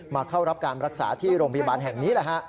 เข้ารับการรักษาที่โรงพยาบาลแห่งนี้แหละฮะ